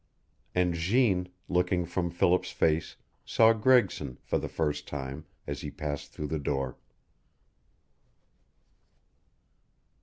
And Jeanne, looking from Philip's face, saw Gregson, for the first time, as he passed through the door.